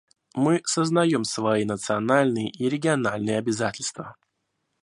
Мы сознаем свои национальные и региональные обязательства.